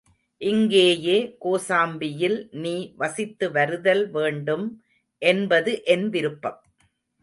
இங்கேயே கோசாம்பியில் நீ வசித்து வருதல் வேண்டும் என்பது என் விருப்பம்.